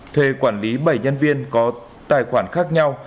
thuê quản lý bảy nhân viên có tài khoản khác nhau